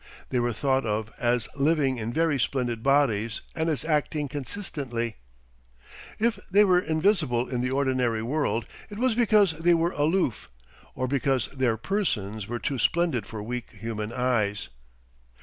They were thought of as living in very splendid bodies and as acting consistently. If they were invisible in the ordinary world it was because they were aloof or because their "persons" were too splendid for weak human eyes.